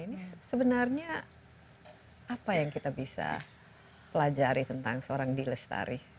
ini sebenarnya apa yang kita bisa pelajari tentang seorang d lestari